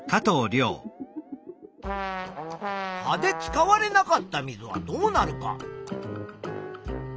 葉で使われなかった水はどうなるか。